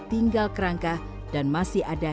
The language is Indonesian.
tinggal kerangka dan masih ada